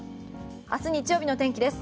明日日曜日の天気です。